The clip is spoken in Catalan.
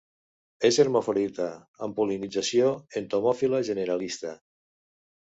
És hermafrodita, amb pol·linització entomòfila generalista.